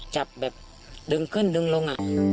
จับแบบดึงขึ้นดึงลง